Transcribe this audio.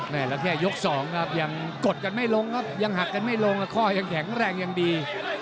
แล้วแค่ยกสองครับยังกดกันไม่ลงครับยังหักกันไม่ลงแล้วข้อยังแข็งแรงยังดี